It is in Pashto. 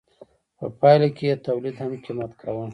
په پایله کې یې تولید هم قیمت کاوه.